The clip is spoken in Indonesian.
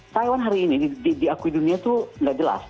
taiwan hari ini diakui dunia itu tidak jelas